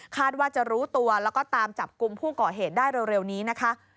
ว่าจะรู้ตัวแล้วก็ตามจับกลุ่มผู้ก่อเหตุได้เร็วนี้นะคะ